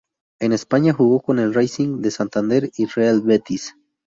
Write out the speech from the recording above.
En España jugó con el Racing de Santander y Real Betis.